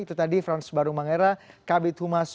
itu tadi frans barung mangera kabit humas